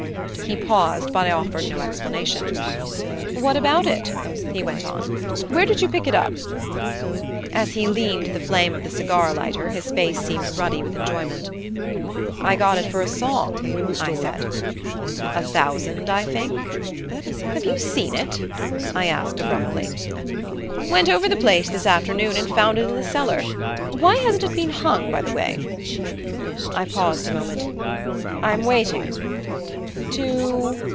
He paused, but I offered no explanation. "What about it?" he went on. "Where did you pick it up?" As he leaned to the flame of the cigar lighter his face seemed ruddy with enjoyment. "I got it for a song," I said. "A thousand, I think?" "Have you seen it?" I asked abruptly. "Went over the place this afternoon and found it in the cellar. Why hasn't it been hung, by the way?" I paused a moment. "I'm waiting " "To